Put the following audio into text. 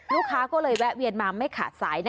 ลูกค้าก็เลยแวะเวียนมาไม่ขาดสาย